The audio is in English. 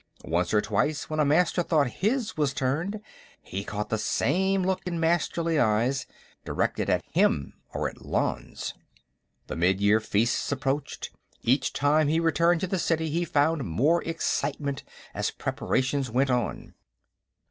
Once or twice, when a Master thought his was turned, he caught the same look in Masterly eyes, directed at him or at Lanze. The Midyear Feasts approached; each time he returned to the city he found more excitement as preparations went on.